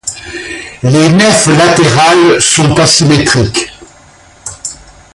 Les nefs latérales sont asymétriques.